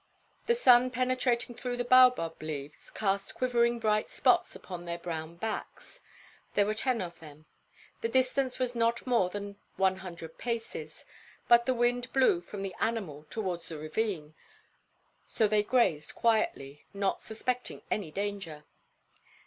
The sun penetrating through the baobab leaves cast quivering bright spots upon their brown backs. There were ten of them. The distance was not more than one hundred paces, but the wind blew from the animals towards the ravine, so they grazed quietly, not suspecting any danger.